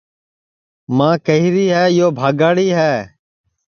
ماں کہیری ہے ہوں بھاگاڑی ہے